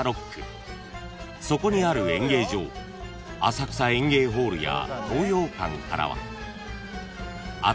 ［そこにある演芸場浅草演芸ホールや東洋館からは］